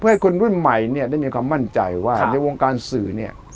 เพื่อให้คนรุ่นใหม่เนี่ยได้มีความมั่นใจว่าในวงการสื่อเนี่ย